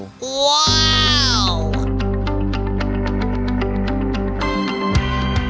ว้าว